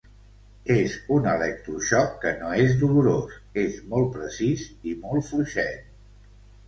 És un electroxoc que no és dolorós, és molt precís i molt fluixet.